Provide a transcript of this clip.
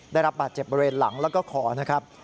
ได้รับบาดเจ็บบริเวณหลังแล้วก็คอนะครับ